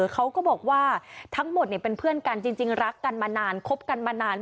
เขาก็บอกว่าทั้งหมดเป็นเพื่อนกันจริงรักกันมานานคบกันมานาน